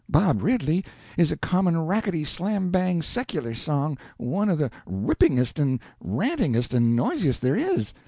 'Bob Ridley' is a common rackety slam bang secular song, one of the rippingest and rantingest and noisiest there is.